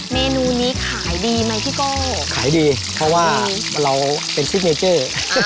เมนูนี้ขายดีไหมพี่โก้ขายดีเพราะว่าเราเป็นซิกเนเจอร์